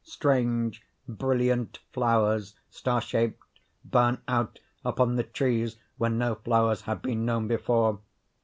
Strange, brilliant flowers, star shaped, burn out upon the trees where no flowers had been known before.